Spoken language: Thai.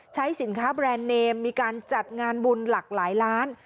ใช้สินค้าแบรนด์เนมมีการจัดงานบุญหลากหลายล้าน